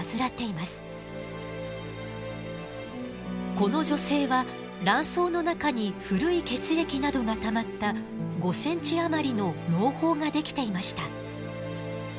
この女性は卵巣の中に古い血液などがたまった５ｃｍ余りの嚢胞が出来ていました。